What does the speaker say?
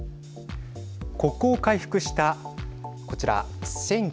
国交を回復したこちら。